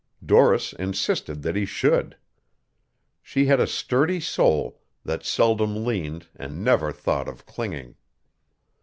Doris insisted that he should. She had a sturdy soul that seldom leaned and never thought of clinging.